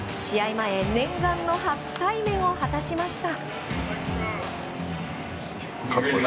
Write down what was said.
前念願の初対面を果たしました。